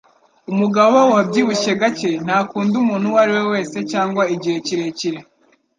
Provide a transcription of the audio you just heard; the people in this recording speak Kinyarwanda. Umugabo wabyibushye gake ntakunda umuntu uwo ari we wese cyangwa igihe kirekire.